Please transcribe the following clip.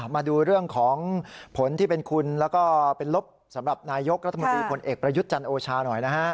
มาดูเรื่องของผลที่เป็นคุณแล้วก็เป็นลบสำหรับนายกรัฐมนตรีผลเอกประยุทธ์จันทร์โอชาหน่อยนะฮะ